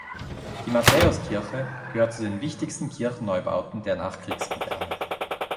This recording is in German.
Die Matthäuskirche gehört zu den wichtigsten Kirchenneubauten der Nachkriegsmoderne.